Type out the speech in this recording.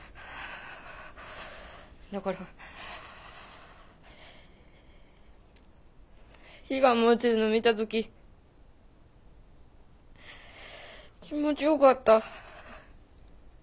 だから火が燃えてるの見た時気持ちよかった。